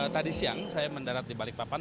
tadi siang saya mendarat di balikpapan